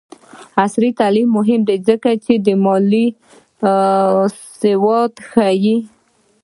عصري تعلیم مهم دی ځکه چې د مالي سواد ښيي.